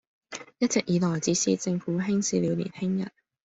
一直以來只是政府輕視了年輕人